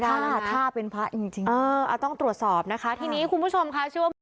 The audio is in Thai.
ถ้าเป็นพระจริงจริงต้องตรวจสอบนะคะ